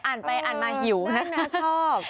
อ่านไปอ่านมาหิวนะน่าชอบ